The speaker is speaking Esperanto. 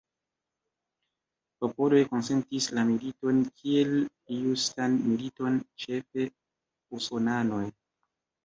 Popoloj konsentis la militon kiel justan militon, ĉefe usonanoj.